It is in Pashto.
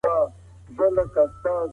د توهماتو منل د څېړونکي صفت نه دی.